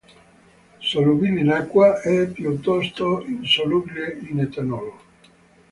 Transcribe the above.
Solubile in acqua, è piuttosto insolubile in etanolo.